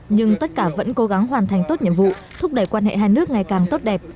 nhưng tất cả vẫn cố gắng hoàn thành tốt nhiệm vụ thúc đẩy quan hệ hai nước ngày càng tốt đẹp